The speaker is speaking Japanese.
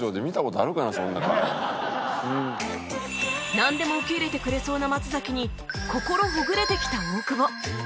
なんでも受け入れてくれそうな松崎に心ほぐれてきた大久保